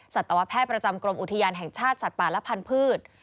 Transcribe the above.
สัตวแพทย์ประจำกรมอุทยานแห่งชาติสัตว์ป่าและพันธุ์